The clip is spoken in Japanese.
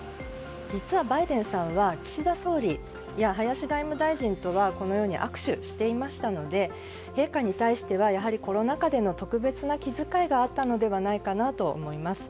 実はバイデンさんは岸田総理や林外務大臣とは握手していましたので陛下に対してはコロナ禍での特別な気遣いがあったのではないかなと思います。